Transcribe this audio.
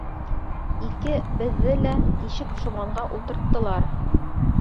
Ике-беҙҙе лә тишек шоманға ултырттылар.